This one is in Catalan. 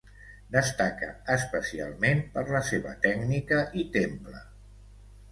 Destaca especialment per la seva tècnica i temple.